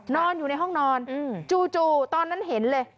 นอนอยู่ในห้องนอนจู่ตอนนั้นเห็นเลย